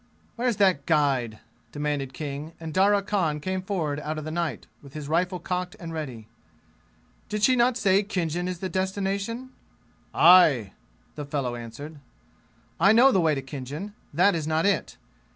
"Where's that guide?" demanded King; and Darya Khan came forward out of the night, with his rifle cocked and ready. "Did she not say Khinjan is the destination?"' "Aye!" the fellow answered. "I know the way to Khinjan. That is not it.